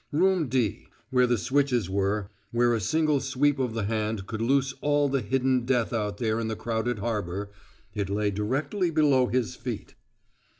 Room D where the switches were, where a single sweep of the hand could loose all the hidden death out there in the crowded harbor it lay directly below his feet.